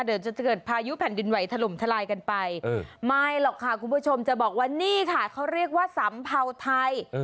เดี๋ยวจะเกิดพายุแผ่นดินไหวถล่มทลายกันไปไม่หรอกค่ะคุณผู้ชมจะบอกว่านี่ค่ะเขาเรียกว่าสำเภาไทย